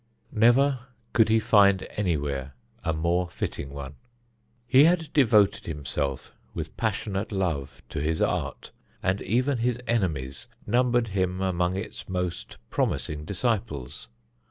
Never could he find anywhere a more fitting one. He had devoted himself with passionate love to his art, and even his enemies numbered him among its most promising disciples.